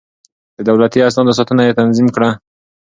د دولتي اسنادو ساتنه يې تنظيم کړه.